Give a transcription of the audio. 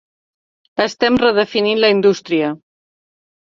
Estem redefinint la indústria.